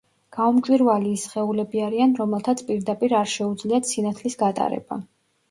გაუმჭვირვალი ის სხეულები არიან, რომელთაც პირდაპირ არ შეუძლიათ სინათლის გატარება.